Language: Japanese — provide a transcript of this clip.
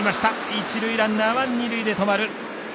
一塁ランナーは二塁で止まる。